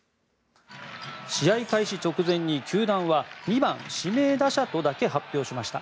試合開始直前に球団は２番、指名打者とだけ発表しました。